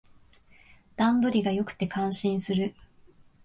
段取りが良くて感心する